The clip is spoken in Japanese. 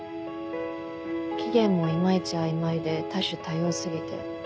起源もいまいち曖昧で多種多様過ぎて。